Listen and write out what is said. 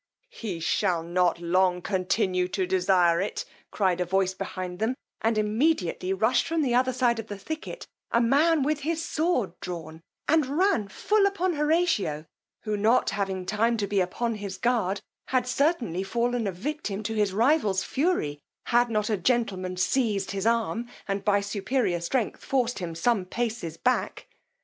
He shall not long continue to desire it, cried a voice behind them, and immediately rushed from the other side of the thicket a man with his sword drawn, and ran full upon Horatio, who not having time to be upon his guard, had certainly fallen a victim to his rival's fury, had not a gentleman seized his arm, and, by superior strength, forced him some paces back.